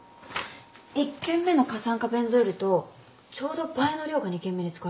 １件目の過酸化ベンゾイルとちょうど倍の量が２件目で使われている。